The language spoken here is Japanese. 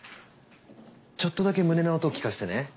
ちょっとだけ胸の音聞かせてね。